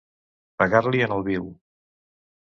Pegar-li en el viu.